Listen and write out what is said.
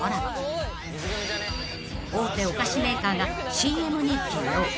［大手お菓子メーカーがＣＭに起用］